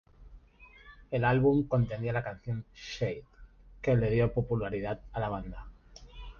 El álbum contenía la canción "Shade", que le dio popularidad a la banda.